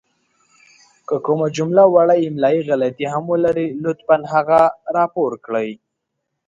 که کومه جمله وړه املائې غلطې هم ولري لطفاً هغه راپور کړئ!